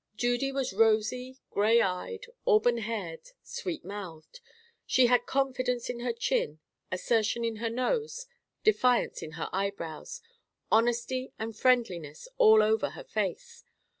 Judy was rosy, gray eyed, auburn haired, sweet mouthed. She had confidence in her chin, assertion in her nose, defiance in her eyebrows, honesty and friendliness over all her face.